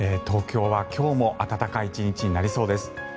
東京は今日も暖かい１日になりそうです。